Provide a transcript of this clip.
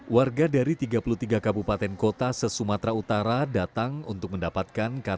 warga dari tiga puluh tiga kabupaten kota se sumatera utara datang untuk mendapatkan ktp